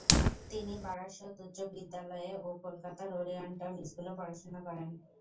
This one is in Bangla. তিনি বারাসত উচ্চ বিদ্যালয়ে ও কলকাতার ওরিয়েন্টাল স্কুলে পড়াশোনা করেন।